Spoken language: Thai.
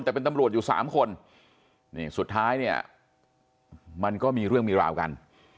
แต่เป็นตำรวจอยู่สามคนนี่สุดท้ายเนี่ยมันก็มีเรื่องมีราวกัน